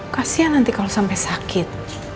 kasian nanti kalau sampai sakit